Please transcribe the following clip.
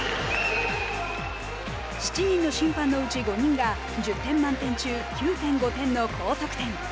７人の審判のうち５人が１０点満点中、９．５点の高得点。